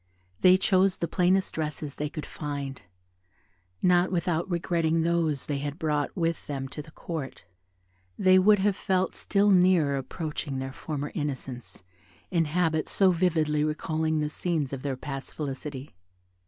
They chose the plainest dresses they could find, not without regretting those they had brought with them to the Court; they would have felt still nearer approaching their former innocence, in habits so vividly recalling the scenes of their past felicity.